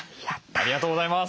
ありがとうございます。